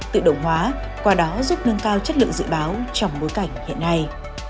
tự động hóa qua đó giúp nâng cao chất lượng dự báo trong bối cảnh hiện nay